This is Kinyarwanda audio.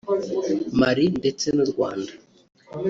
Mali ndetse n’u Rwanda